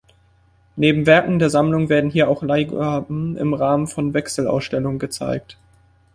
Neben Werken der Sammlung werden hier auch Leihgaben im Rahmen von Wechselausstellungen gezeigt.